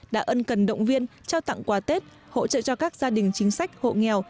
đã ân cần động viên trao tặng quà tết hỗ trợ cho các gia đình chính sách hộ nghèo